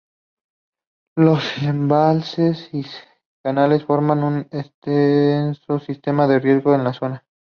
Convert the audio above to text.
Los embalses y canales forman un extenso sistema de riego en la zona.